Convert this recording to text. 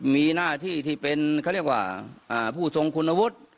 มีหน้าที่ที่เป็นเขาเรียกว่าผู้ทรงคุณวุฒิ